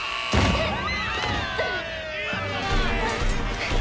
「うっ！」